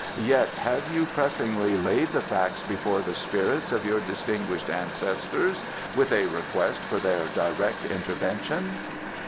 "Yet have you pressingly laid the facts before the spirits of your distinguished ancestors with a request for their direct intervention?"